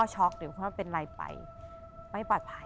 หรือคุณว่าเป็นไรไปไม่ปลอดภัย